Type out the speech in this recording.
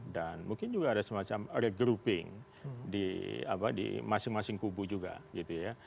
dan mungkin juga ada semacam regrouping di masing masing kubu juga gitu ya